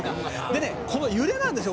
「でねこの揺れなんですよ」